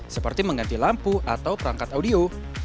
seperti mengganti lampu atau perangkat audio